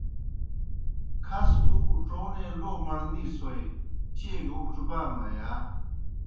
کھس تُوْ اُڇونے لو مڑنےسوئے، چیئے گہ اُڇبانوئے یا؟